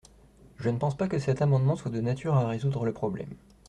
Je ne pense pas que cet amendement soit de nature à résoudre le problème.